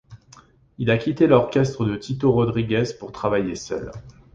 Il a quitté l'orchestre de Tito Rodríguez pour travailler seul.